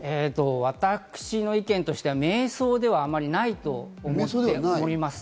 私の意見としては、迷走ではあまりないと思います。